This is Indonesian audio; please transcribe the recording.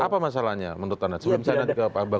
apa masalahnya menurut anda sebelum sana ke bangunan